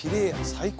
最高